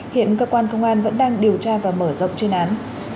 hiện cơ quan công an vẫn đang điều tra và mở rộng chuyên án